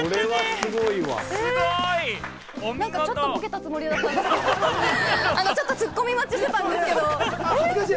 ちょっとボケたつもりだったんですけれども、ちょっとツッコミ待ちしてたんですけれども。